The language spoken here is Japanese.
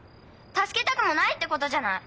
助けたくもないってことじゃない！